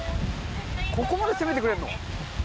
ここまで攻めてくれるの？